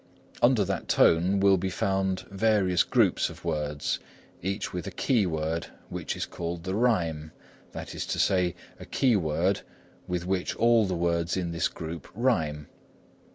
Under that tone will be found various groups of words, each with a key word which is called the Rhyme, that is to say, a key word with which all the words in this group rhyme.